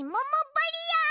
バリアー！